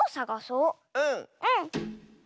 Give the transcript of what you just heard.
うん！